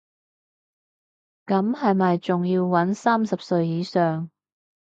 咁係咪仲要搵三十歲以上